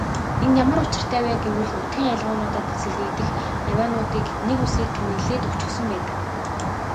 Энэ ямар учиртай вэ гэвэл нутгийн аялгуунуудад сэлгэгдэх авиануудыг нэг үсгээр тэмдэглээд өгчихсөн байдаг.